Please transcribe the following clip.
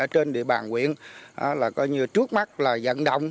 trên địa bàn quyện là coi như trước mắt là dẫn động